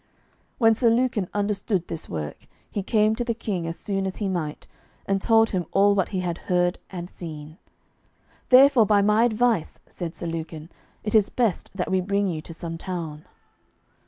When Sir Lucan understood this work, he came to the King as soon as he might, and told him all what he had heard and seen. "Therefore by my advice," said Sir Lucan, "it is best that we bring you to some town."